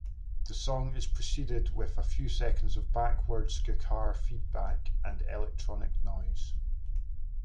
The song is preceded with a few seconds of backwards-guitar feedback and electronic noise.